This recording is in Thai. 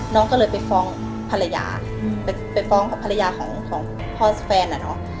น้องก็เลยไปฟ้องภรรยาไปฟ้องภรรยาของพ่อแฟนอ่ะเนอะ